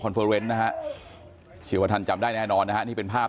ผ่านระบบวีดีโอคอนเฟอร์เรนต์ชีวธรจำได้แน่นอนนะค่ะนี่เป็นภาพ